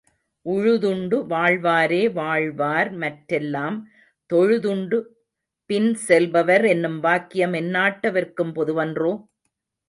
உழுதுண்டு வாழ்வாரே வாழ்வார்மற் றெல்லாம் தொழுதுண்டு பின்செல் power என்னும் வாக்கியம் எந்நாட்டவர்க்கும் பொதுவன்றோ?